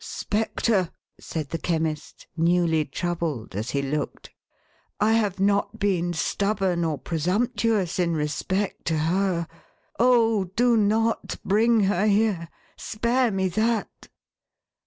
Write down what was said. " Spectre !" said the Chemist, newly troubled as he looked, " I have not been stubborn or presumptuous in respect to her. Oh, do not bring her here. Spare me that